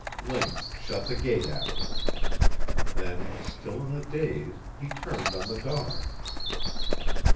Link shut the gate after them. Then, still in a daze, he turned on the dog.